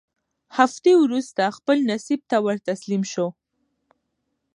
هفتې وورسته خپل نصیب ته ورتسلیم سو